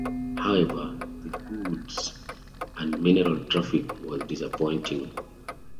However the goods and mineral traffic was disappointing.